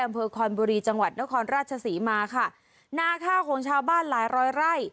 อำเภอคอนบุรีจังหวัดนครราชศรีมาค่ะนาข้าวของชาวบ้านหลายร้อยไร่